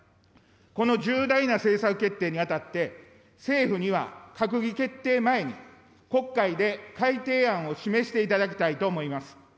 この重大な政策決定にあたって、政府には閣議決定前に、国会で改定案を示していただきたいと思います。